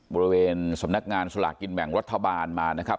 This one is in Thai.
บริเวณสำนักงานสลากกินแบ่งรัฐบาลมานะครับ